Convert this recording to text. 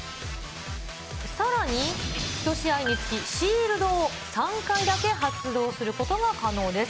さらに、１試合につきシールドを３回だけ発動することが可能です。